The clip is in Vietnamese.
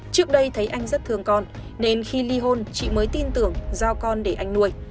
trước đây thấy anh rất thương con nên khi ly hôn chị mới tin tưởng giao con để anh nuôi